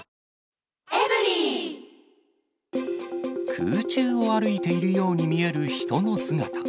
空中を歩いているように見える人の姿。